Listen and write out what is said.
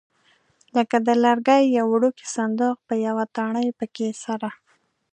لکه د لرګي یو وړوکی صندوق په یوه تڼۍ پکې سره.